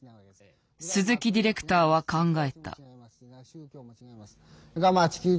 鈴木ディレクターは考えた。